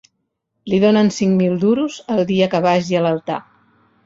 Li donen cinc mil duros el dia que vagi al altar